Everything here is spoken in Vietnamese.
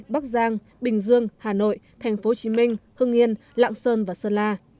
bắc giang bình dương hà nội tp hcm hưng yên lạng sơn và sơn la